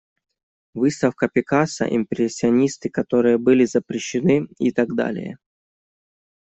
Выставка Пикассо, импрессионисты которые были запрещены, и так далее.